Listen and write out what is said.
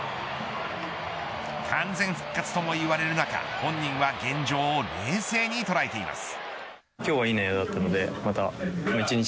完全復活ともいわれる中本人は現状を冷静に捉えています。